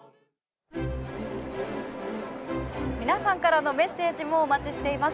皆さんからのメッセージもお待ちしています。